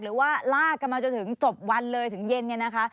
หรือว่าลากกันมาจนถึงจบวันเลยถึงเย็นเนี่ยนะคะ